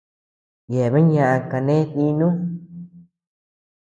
Yeabean ñaʼa kané dínu.